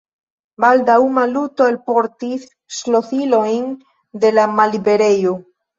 Baldaŭ Maluto alportis ŝlosilojn de la malliberejo.